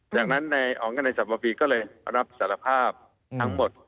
จากนั้นนายอ๋องกับนายสรรพีก็เลยรับสารภาพทั้งหมด